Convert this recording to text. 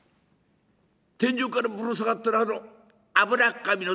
「天井からぶら下がってるあの油っ紙の」。